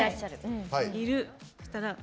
いる。